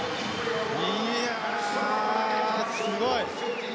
いやー、すごい！